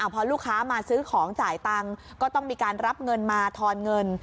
พอลูกค้ามาซื้อของจ่ายตังค์ก็ต้องมีการรับเงินมาทอนเงิน